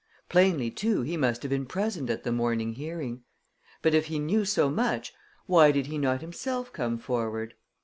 Plainly, too, he must have been present at the morning hearing. But if he knew so much, why did he not himself come forward?